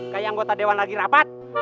kayak anggota dewan lagi rapat